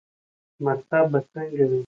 _مکتب به څنګه کوې؟